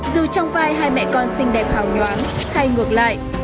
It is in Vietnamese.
dù trong vai hai mẹ con xinh đẹp hào nhoáng hay ngược lại